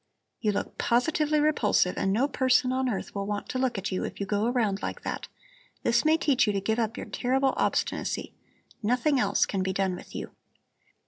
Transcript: "You look positively repulsive and no person on earth will want to look at you if you go around like that. This may teach you to give up your terrible obstinacy! Nothing else can be done with you."